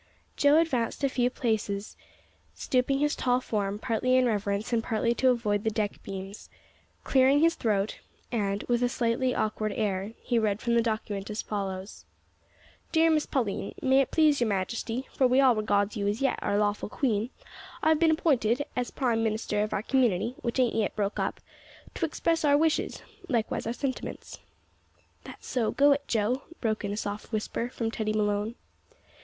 Joe advanced a few paces, stooping his tall form, partly in reverence and partly to avoid the deck beams. Clearing his throat, and with a slightly awkward air, he read from the document as follows: "Dear Miss Pauline, may it please yer majesty, for we all regards you yet as our lawful queen, I've bin appinted, as prime minister of our community which ain't yet broke up to express our wishes, likewise our sentiments." "That's so go it, Joe," broke in a soft whisper from Teddy Malone.